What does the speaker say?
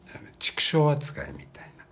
畜生扱いみたいな。